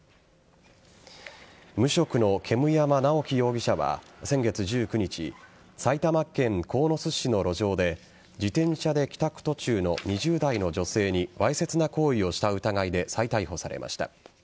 無職の煙山直樹容疑者は先月１９日埼玉県鴻巣市の路上で自転車で帰宅途中の２０代の女性にわいせつな行為をした疑いで再逮捕されました。